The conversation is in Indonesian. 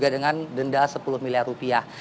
dengan denda sepuluh miliar rupiah